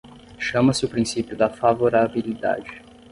Chama-se o princípio da favorabilidade.